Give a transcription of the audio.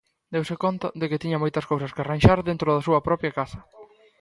Deuse conta de que tiña moitas cousas que arranxar dentro da súa propia casa.